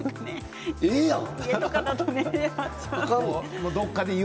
ええやん。